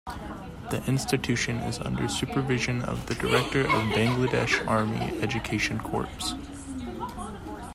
The institution is under the supervision of the Director of Bangladesh Army Education Corps.